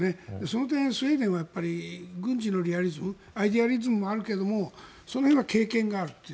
その点、スウェーデンは軍事のリアリズムアイデアリズムもあるけどもその辺は経験があると。